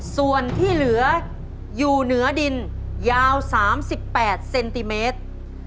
ส่วนที่เหลืออยู่เหนือดินยาว๓๘เซนติเมตร